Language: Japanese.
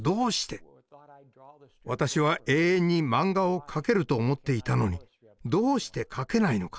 私は永遠にマンガを描けると思っていたのにどうして描けないのか？